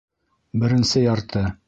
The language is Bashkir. Беренсе ярты.